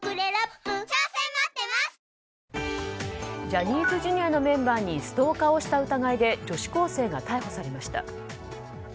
ジャニーズＪｒ．のメンバーにストーカーをした疑いで女子高生が逮捕されました。